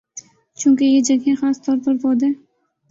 چونکہ یہ جگہیں خاص طور پر پودے